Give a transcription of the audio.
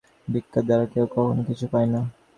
ভিক্ষার দ্বারা কেহ কখনও কিছু পায় নাই।